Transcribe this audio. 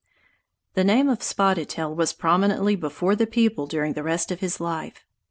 The name of Spotted Tail was prominently before the people during the rest of his life.